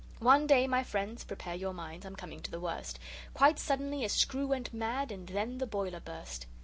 One day my friends, prepare your minds; I'm coming to the worst Quite suddenly a screw went mad, And then the boiler burst!